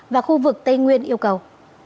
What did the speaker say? và khu vực tây nguyên yêu cầu